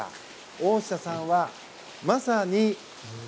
大下さんは、まさに「森」。